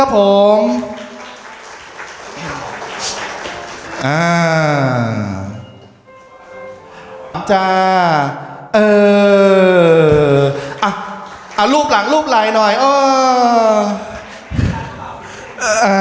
กลางจากเอ่ออ่าอ่ะอ่ะรูปหลังรูปหลายหน่อยอ๋ออ่า